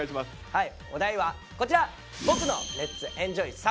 はい！